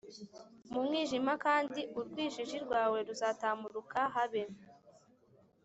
mu mwijima kandi urwijiji rwawe ruzatamuruka habe